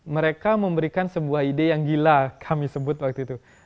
mereka memberikan sebuah ide yang gila kami sebut waktu itu